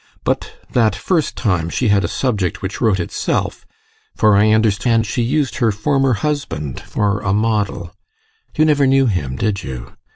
But that first time she had a subject which wrote itself for I understand she used her former husband for a model. You never knew him, did you?